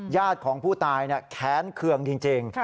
ญาติของผู้ตายแค้นเคืองจริง